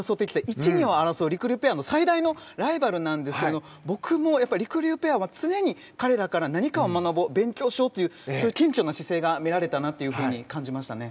１位、２位を争うりくりゅうペアの最大のライバルですが僕もりくりゅうペアは常に彼らから何かを学ぼう、勉強しようというそういう謙虚な姿勢が見られたなと感じましたね。